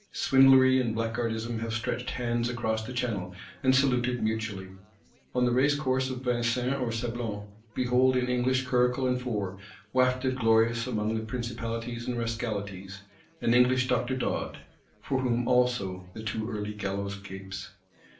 Swindlery and Blackguardism have stretched hands across the Channel, and saluted mutually: on the racecourse of Vincennes or Sablons, behold in English curricle and four, wafted glorious among the principalities and rascalities, an English Dr. Dodd,—for whom also the too early gallows gapes.